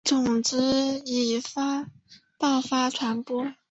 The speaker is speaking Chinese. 种子以爆发传播。